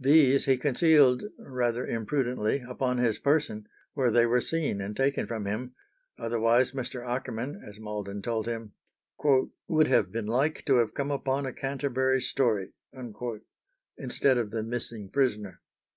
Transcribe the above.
These he concealed rather imprudently upon his person, where they were seen and taken from him, otherwise Mr. Akerman, as Malden told him, "would have been like to have come upon a Canterbury story" instead of the missing prisoner.